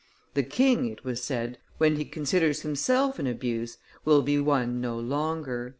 "The king," it was said, "when he considers himself an abuse, will be one no longer."